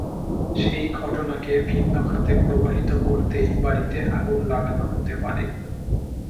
সেই ঘটনাকে ভিন্ন খাতে প্রবাহিত করতেই বাড়িতে আগুন লাগানো হতে পারে।